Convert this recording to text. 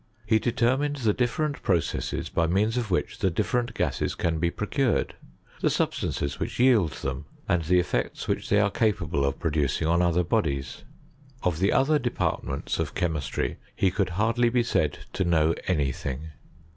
He de irmined the different processes, by means of which different gases can be procured, the substances 'i yield them, and the effects which they are lie of producing on otlier bodies. Of the other trtments of chemistry he could hardly be said know any thing.